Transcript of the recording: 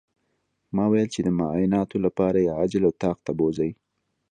ما ويل چې د معايناتو لپاره يې عاجل اتاق ته بوځئ.